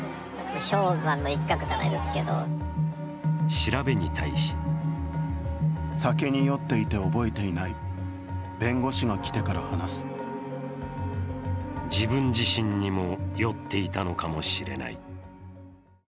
調べに対し自分自身にも酔っていたのかもしれない。